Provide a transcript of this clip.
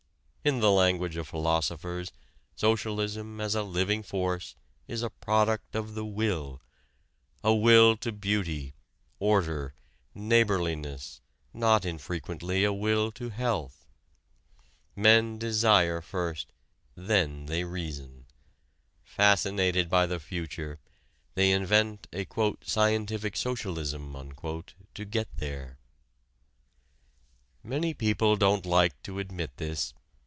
In the language of philosophers, socialism as a living force is a product of the will a will to beauty, order, neighborliness, not infrequently a will to health. Men desire first, then they reason; fascinated by the future, they invent a "scientific socialism" to get there. Many people don't like to admit this.